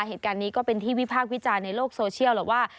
เหตุการณ์นี้ก็เป็นที่วิพากษ์วิจารณ์ในโลกโซเชียลแหละว่า